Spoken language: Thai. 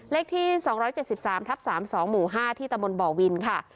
เลขที่๒๗๓ทับ๓๒หมู่๕ที่ตะบนบ่อวินค่ะ